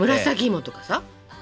紫いもとかさ！